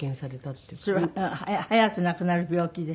それは早く亡くなる病気で？